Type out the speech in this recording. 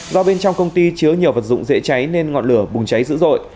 do bên trong công ty chứa nhiều vật dụng dễ cháy nên ngọn lửa bùng cháy dữ dội